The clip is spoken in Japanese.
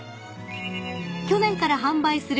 ［去年から販売する］